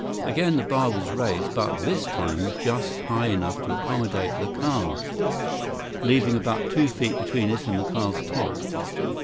Again the bar was raised, but this time, just high enough to accommodate the car, leaving about two feet between it and the car's top.